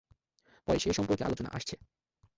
পরে সে সম্পর্কে আলোচনা আসছে।